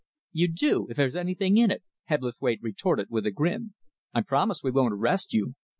"You do, if there's anything in it," Hebblethwaite retorted, with a grin. "I promise we won't arrest you.